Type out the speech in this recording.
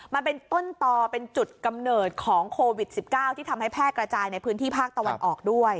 มันเป็นต้นต่อเป็นจุดกำเนิดของโควิด๑๙ที่ทำให้แพร่กระจายในพื้นที่ภาคตะวันออกด้วย